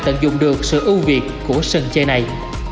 tận dụng được sự ưu việt của sân chơi này